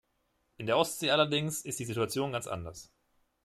In der Ostsee allerdings ist die Situation ganz anders.